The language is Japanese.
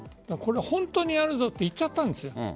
本当にやるぞと言っちゃったんです。